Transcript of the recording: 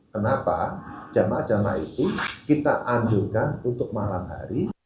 kenapa jamaah jamaah itu kita anjurkan untuk malam hari